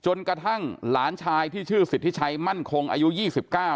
จนกระทั่งหลานชายที่ชื่อสิทธิชัยมั่นคงอายุ๒๙เนี่ยรู้ว่าแม่กลับบ้าน